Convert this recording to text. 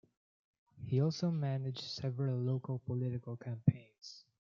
He also managed several local political campaigns.